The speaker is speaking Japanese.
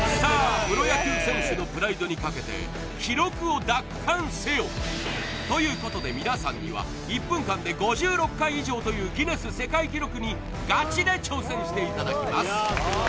プロ野球選手のということで皆さんには１分間で５６回以上というギネス世界記録にガチで挑戦していただきます